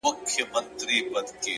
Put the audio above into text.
د ارادې ځواک د خنډونو قد ټیټوي!